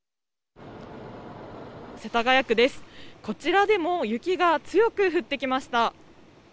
こちらでも、雪が強く降ってきました。